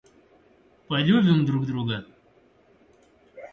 Полюбим друг друга.